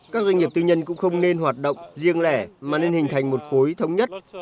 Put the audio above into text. các doanh nghiệp tư nhân cũng không nên hoạt động riêng lẻ mà nên hình thành một khối thống nhất